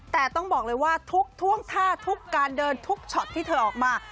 แต่ต้องบอกเลยว่าทุกท่วงท่าทุกการเดินทุกช็อตที่เธอออกมา